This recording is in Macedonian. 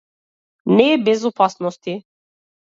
Не е без опасности.